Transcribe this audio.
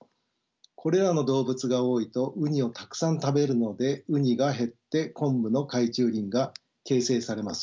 これらの動物が多いとウニをたくさん食べるのでウニが減ってコンブの海中林が形成されます。